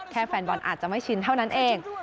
แฟนบอลอาจจะไม่ชินเท่านั้นเอง